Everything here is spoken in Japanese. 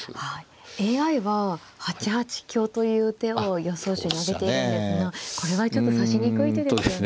ＡＩは８八香という手を予想手に挙げているんですがこれはちょっと指しにくい手ですよね。